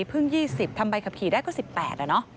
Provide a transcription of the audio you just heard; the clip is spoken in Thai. เพิ่ง๒๐ทำใบขับขี่ได้ก็๑๘อะเนาะ